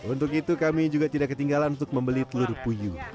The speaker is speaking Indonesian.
untuk itu kami juga tidak ketinggalan untuk membeli telur puyuh